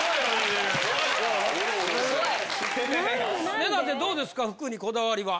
根建どうですか服にこだわりは。